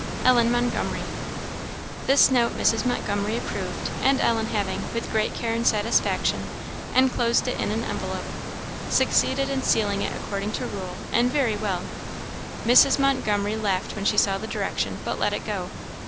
"ELLEN MONTGOMERY." This note Mrs. Montgomery approved; and Ellen having, with great care and great satisfaction, enclosed it in an envelope, succeeded in sealing it according to rule, and very well. Mrs. Montgomery laughed when she saw the direction, but let it go.